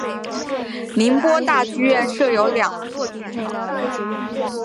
宁波大剧院设有两座剧场。